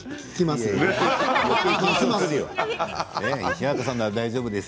日高さんなら大丈夫です。